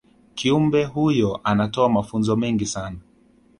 kiumbe huyo anatoa mafunzo mengi sana